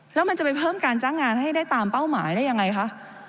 แล้วมันจะไปเพิ่มการจ้างงานให้ได้ตามเป้าหมายได้ยังไงคะ